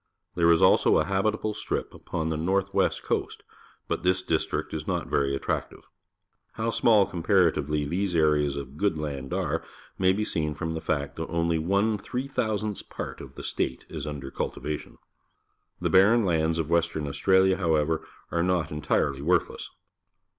There is also a habitable strip upon the north west coast, but this district is not very at tractive. How small, comparatively, these areas of good land are, may be seen from the fact that only one three thousandth part of the state is under cultivation. The barren lands of Western Australia, however, are not entirely worthless.